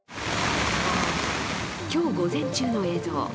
今日午前中の映像。